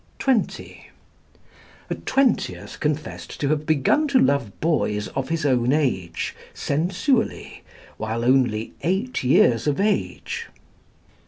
(20) A twentieth confessed to have begun to love boys of his own age, sensually, while only eight years of age.